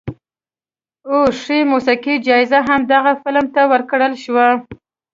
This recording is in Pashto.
او ښې موسیقۍ جایزه هم دغه فلم ته ورکړل شوه.